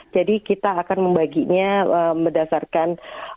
jadi kita akan membaginya berdasarkan